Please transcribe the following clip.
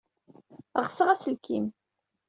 Ɣseɣ aselkim.